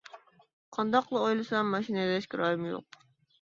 قانداقلا ئويلىسام ماشىنا ھەيدەشكە رايىم يوق.